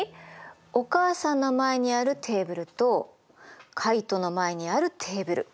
お母さんの前にあるテーブルとカイトの前にあるテーブル。